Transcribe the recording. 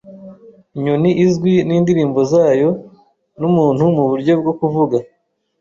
Inyoni izwi nindirimbo zayo numuntu muburyo bwo kuvuga.